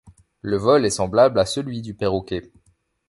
Le vol est semblable à celui du perroquet.